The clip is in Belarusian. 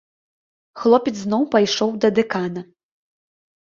Хлопец зноў пайшоў да дэкана.